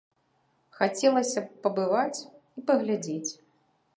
Хацелася б пабываць і паглядзець.